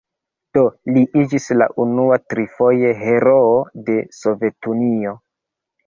Do li iĝis la unua trifoje heroo de Sovetunio.